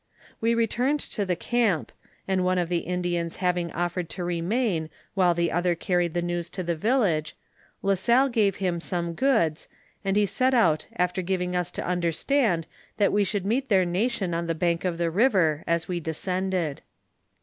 "We returned to the camp, and one of the Indians having offered to remain while the other carried the news to the village. La Salle gave him some goods, and he set out after giving us to understand that we should meet their nation on the bank of the river as we descended.